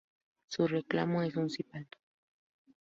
Su reclamo es un sip alto.